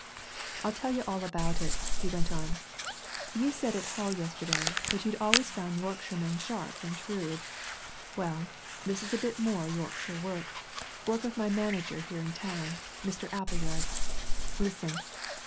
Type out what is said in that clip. "I'll tell you all about it," he went on. "You said at Hull yesterday that you'd always found Yorkshiremen sharp and shrewd well, this is a bit more Yorkshire work work of my manager here in town Mr. Appleyard. Listen!"